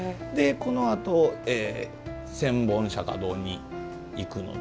このあと、千本釈迦堂に行くので。